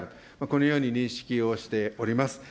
このように認識をしております。